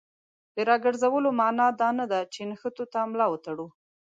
د راګرځولو معنا دا نه ده چې نښتو ته ملا وتړو.